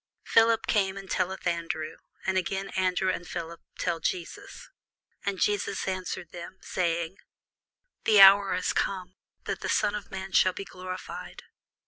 Philip cometh and telleth Andrew: and again Andrew and Philip tell Jesus. And Jesus answered them, saying, The hour is come, that the Son of man should be glorified.